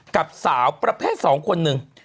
กับสาวประเภท๒คนหนึ่ง